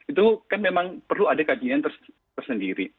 itu kan memang perlu ada kajian tersendiri